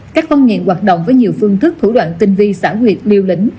các con nghiện hoạt động với nhiều phương thức thủ đoạn tinh vi xã huyệt liêu lĩnh